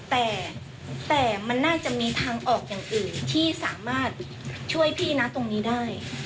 แต่มันน่าจะมีทางออกอย่างอื่นที่สามารถช่วยพี่นะตรงนี้ได้